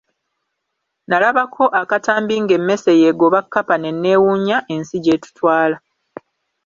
Nalabako akatambi ng'emmese y'egoba kkapa ne neewuunya ensi gy’etutwala.